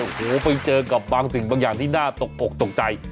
โอ้โหไปเจอกับบางสิ่งบางอย่างที่น่าตกอกตกใจ